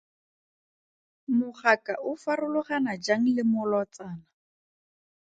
Mogaka o farologana jang le molotsana?